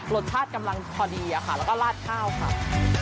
รสชาติกำลังพอดีแล้วก็ลาดข้าวครับ